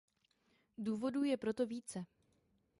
Důvodů je pro to více.